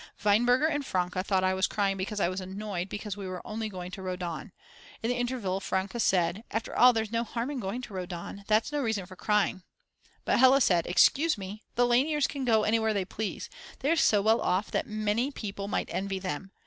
Weinberger and Franke thought I was crying because I was annoyed because we were only going to Rodaun. In the interval Franke said: After all, there's no harm in going to Rodaun, that's no reason for crying. But Hella said: "Excuse me, the Lainers can go anywhere they please, they are so well off that many people might envy them.